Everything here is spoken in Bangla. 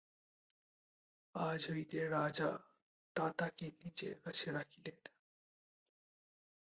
আজ হইতে রাজা তাতাকে নিজের কাছে রাখিলেন।